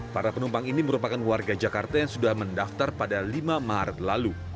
para penumpang ini merupakan warga jakarta yang sudah mendaftar pada lima maret lalu